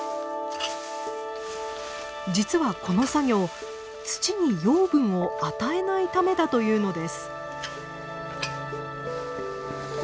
実はこの作業土に養分を与えないためだというのです。